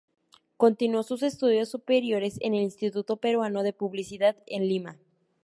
Continuó sus estudios superiores en el Instituto Peruano de Publicidad en Lima.